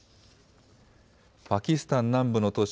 パキスタン南部の都市